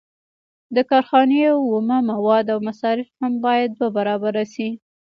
د کارخانې اومه مواد او مصارف هم باید دوه برابره شي